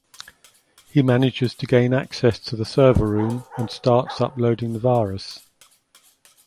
He manages to gain access to the server room and starts uploading the virus.